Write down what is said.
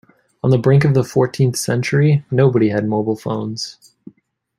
On the brink of the fourteenth century, nobody had mobile phones.